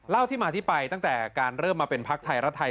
ที่มาที่ไปตั้งแต่การเริ่มมาเป็นพักไทยรักไทย